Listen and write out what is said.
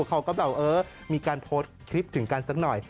เขาก็แบบเออมีการโพสต์คลิปถึงกันสักหน่อย